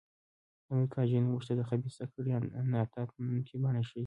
د امریکا جنوب موږ ته د خبیثه کړۍ انعطاف منونکې بڼه ښيي.